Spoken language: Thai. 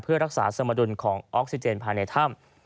เพื่อรักษาสมดุลของออกซิเจนภายในถ้ำ